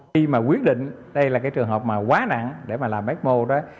khi mà quyết định đây là cái trường hợp mà quá nặng để mà làm ecmo đó